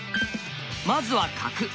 まずは角。